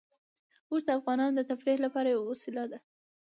اوښ د افغانانو د تفریح لپاره یوه وسیله ده.